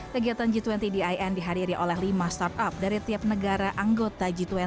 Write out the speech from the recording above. kegiatan g dua puluh din dihadiri oleh lima startup dari tiap negara anggota g dua puluh